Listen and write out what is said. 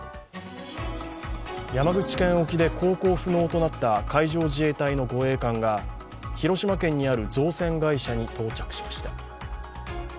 山口県沖で航行不能となった海上自衛隊の護衛艦が広島県にある造船会社に到着しました。